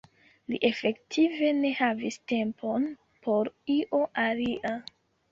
Li efektive ne havis tempon por io alia.